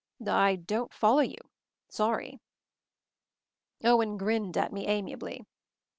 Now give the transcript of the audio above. " "I don't follow you — sorry." Owen grinned at me amiably.